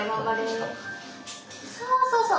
そうそうそう！